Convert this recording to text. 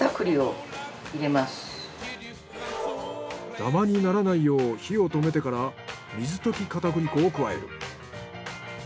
ダマにならないよう火を止めてから水溶き片栗粉を加える。